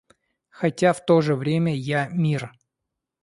Хотя в то же время я мир.